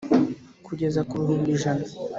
kugeza ku bihumbi ijana